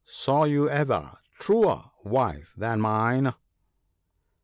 saw you ever truer wife than mine